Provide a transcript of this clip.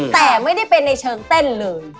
แต่ไม่ได้เป็นในเชิงเต้นเลย